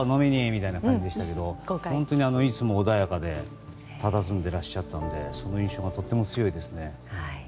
みたいな感じでしたけど本当にいつも穏やかにたたずんでらっしゃったのでその印象がとても強いですね。